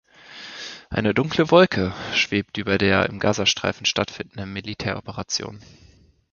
Eine dunkle Wolke schwebt über der im Gazastreifen stattfindenden Militäroperation.